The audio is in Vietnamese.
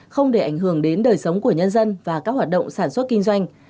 không để ảnh hưởng đến đời sống của nhân dân và các hoạt động sản xuất kinh doanh